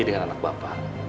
dengan anak bapak